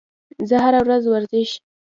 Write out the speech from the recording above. زه هره ورځ ورزش